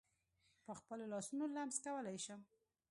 په خپلو لاسونو لمس کولای شم.